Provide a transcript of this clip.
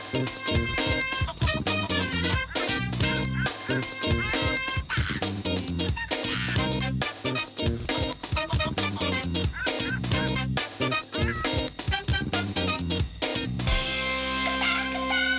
โปรดติดตามตอนต่อไป